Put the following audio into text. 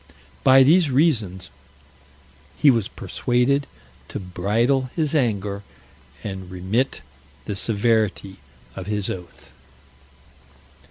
By these reasons he was persuaded to bridle his anger, and remit the severity of his oath.